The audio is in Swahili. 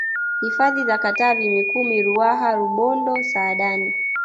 Hifadhi za Katavi Mikumi Ruaha Rubondo Saadani